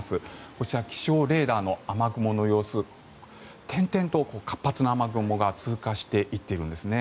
こちら気象レーダーの雨雲の様子点々と活発な雨雲が通過していってるんですね。